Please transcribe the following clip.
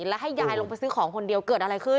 แล้วให้ยายลงไปซื้อของคนเดียวเกิดอะไรขึ้น